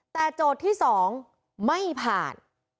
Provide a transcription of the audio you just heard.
แต่โจทย์ที่๒ไม่ผ่าน